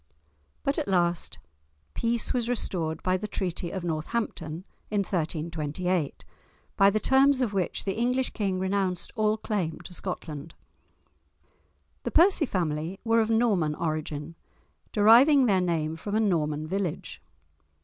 But at last peace was restored by the Treaty of Northampton in 1328, by the terms of which the English king renounced all claim to Scotland. The Percy family were of Norman origin, deriving their name from a Norman village.